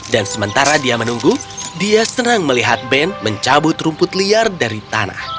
dan sementara dia menunggu dia senang melihat ben mencabut rumput liar dari tanah